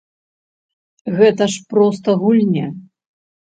Гэта ж проста гульня.